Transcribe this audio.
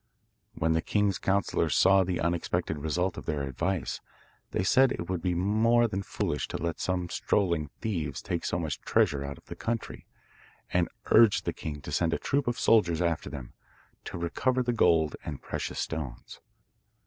When the king's counsellors saw the unexpected result of their advice, they said it would be more than foolish to let some strolling thieves take so much treasure out of the country, and urged the king to send a troop of soldiers after them, to recover the gold and precious stones.